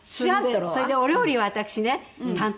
それでお料理は私ね担当なんです。